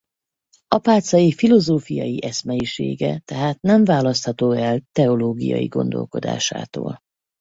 Apáczai filozófiai eszmeisége tehát nem választható el teológiai gondolkodásától.